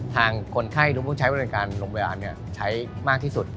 คนไข้หรือผู้ใช้บริการโรงพยาบาลใช้มากที่สุด